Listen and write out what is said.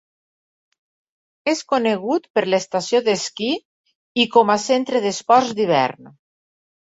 És conegut per l'estació d'esquí i com a centre d'esports d'hivern.